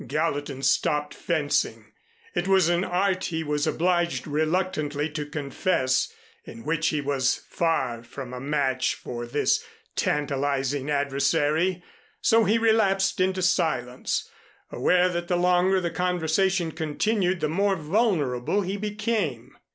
Gallatin stopped fencing. It was an art he was obliged reluctantly to confess, in which he was far from a match for this tantalizing adversary. So he relapsed into silence, aware that the longer the conversation continued the more vulnerable he became.